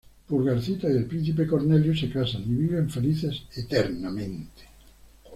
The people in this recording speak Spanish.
Pulgarcita y el Príncipe Cornelius se casan y viven felices eternamente.